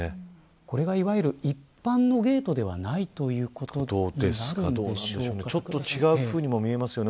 これがいわゆる一般のゲートではないちょっと違うふうにも見えますよね。